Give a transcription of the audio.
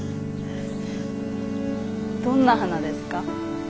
どんな花ですか？